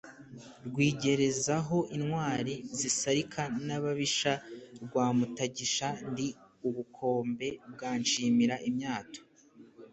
Rwigerezaho intwali zisarika n'ababisha rwa Mutagisha ndi ubukombe banshimira imyato,